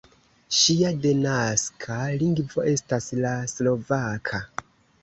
Ŝia denaska lingvo estas la slovaka.